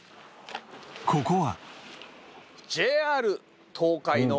ここは